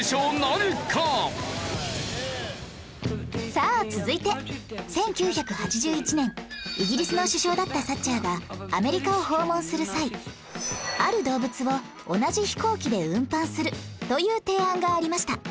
さあ続いて１９８１年イギリスの首相だったサッチャーがアメリカを訪問する際ある動物を同じ飛行機で運搬するという提案がありました